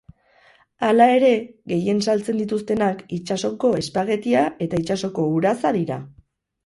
Hala ere, gehien saltzen dituztenak itsasoko espagetia eta itsasoko uraza dira.